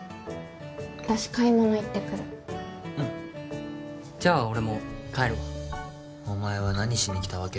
私買い物行ってくるうんじゃあ俺も帰るわお前は何しに来たわけ？